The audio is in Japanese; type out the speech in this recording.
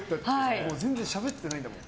全然しゃべってないんだもん。